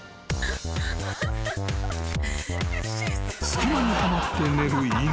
［隙間にはまって寝る犬］